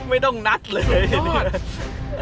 ไม่ต้องนัดเลย